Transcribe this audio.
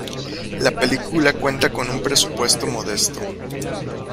La película cuenta con un presupuesto modesto.